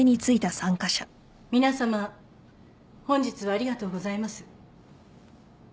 皆さま本日はありがとうございます。